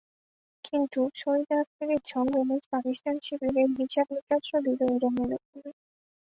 কিন্তু শহীদ আফ্রিদির ঝোড়ো ইনিংস পাকিস্তান শিবিরের হিসাব-নিকাশও দিল এলোমেলো করে।